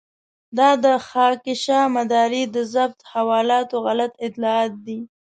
دا د خاکيشاه مداري د ضبط حوالاتو غلط اطلاعات دي.